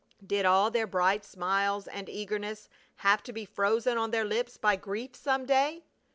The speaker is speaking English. Did all their bright smiles and eagerness have to be frozen on their lips by grief some day?